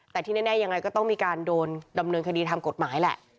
แต่ที่แน่ยังไงก็ต้องมีการโดนดำเนินคดีทางกฎหมายแหละ